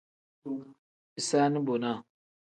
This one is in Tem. Bisaani bonaa.